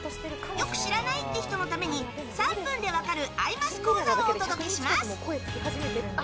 よく知らないって人のために３分で分かる「アイマス」講座をお届けします。